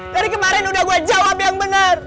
dari kemarin udah gue jawab yang benar